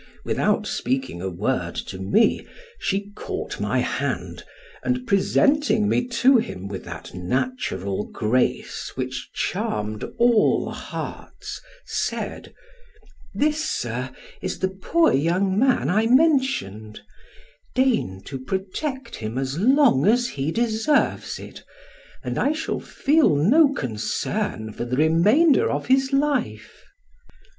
Without speaking a word to me, she caught my hand, and presenting me to him with that natural grace which charmed all hearts, said: "This, sir, is the poor young man I mentioned; deign to protect him as long as he deserves it, and I shall feel no concern for the remainder of his life."